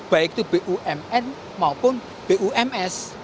baik itu bumn maupun bums